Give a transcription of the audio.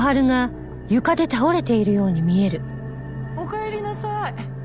おかえりなさい。